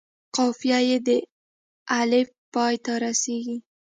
قافیه یې په الف پای ته رسيږي.